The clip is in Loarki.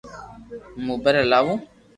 ھون موبائل ھلاو